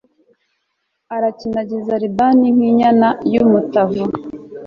arakinagiza libani nk'inyana y'umutavu